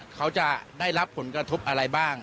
เขาจะได้รับผลกระทบอะไรบ้าง